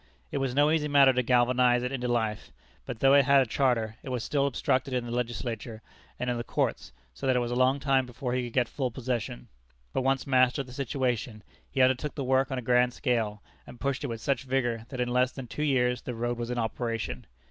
It was no easy matter to galvanize it into life, for though it had a charter, it was still obstructed in the legislature, and in the courts, so that it was a long time before he could get full possession. But once master of the situation, he undertook the work on a grand scale, and pushed it with such vigor that in less than two years the road was in operation.